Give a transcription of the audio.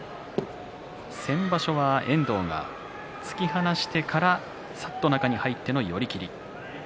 先場所は遠藤が突き放してからさっと中に入っての寄り切り。